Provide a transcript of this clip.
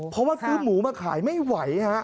เพราะว่าซื้อหมูมาขายไม่ไหวฮะ